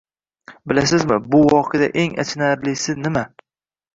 Bilasizmi, bu voqeada eng achinarlisi nima?